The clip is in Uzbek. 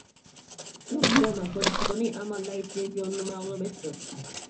“So‘g‘diyona” – Tojikistonning amaldagi chempionini mag‘lub etdi